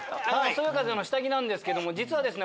「そよ風」の下着なんですけども実はですね